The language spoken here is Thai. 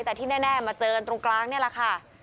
แต่ที่แน่มาเจอกันตรงกลางนี่แหละค่ะ